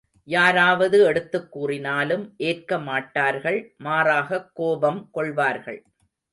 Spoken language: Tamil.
யாராவது எடுத்துக் கூறினாலும் ஏற்க மாட்டார்கள் மாறாகக் கோபம் கொள்வார்கள்.